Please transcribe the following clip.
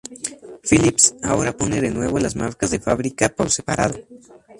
Philips ahora pone de nuevo las marcas de fábrica por separado.